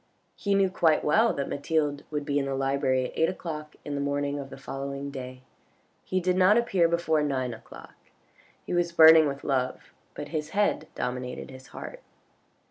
He knew quite well that Mathilde would be in the library at eight o'clock in the morning of the following day. He did not appear before nine o'clock. He was burning with love, but his head dominated his heart.